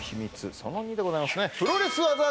その２でございますね